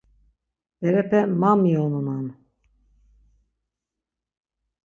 Berepe ma miyonunan.